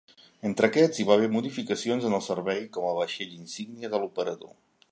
Entre aquests hi va haver modificacions en el servei com a vaixell insígnia de l'operador.